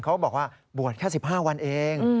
เขาบอกว่าบวชแค่๑๕วันเอง